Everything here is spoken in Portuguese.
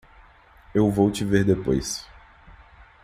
Eu vou te ver depois.